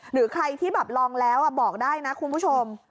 หรือใครที่แบบลองแล้วบอกได้นะคุณผู้ชม